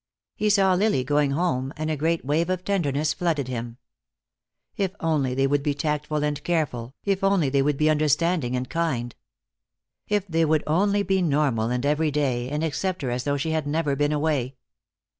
He saw Lily going home, and a great wave of tenderness flooded him. If only they would be tactful and careful, if only they would be understanding and kind. If they would only be normal and every day, and accept her as though she had never been away.